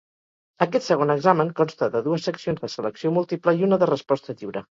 Aquest segon examen consta de dues seccions de selecció múltiple i una de resposta lliure.